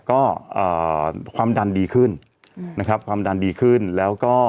ก็เอ่อความดันดีขึ้นอืมนะครับความดันดีขึ้นแล้วก็